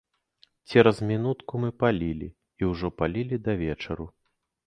Цераз мінутку мы палілі і ўжо палілі да вечару.